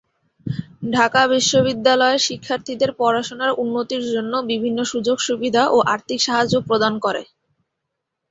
ঢাকা বিশ্ববিদ্যালয়ের শিক্ষার্থীদের পড়াশোনার উন্নতির জন্য বিভিন্ন সুযোগ-সুবিধা ও আর্থিক সাহায্য প্রদান করে।